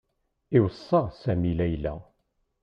Iweṣṣa Sami Layla.